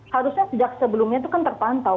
harusnya sejak sebelumnya itu kan terpantau